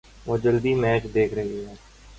وہ جلدی میچ دیکھ رہی ہے۔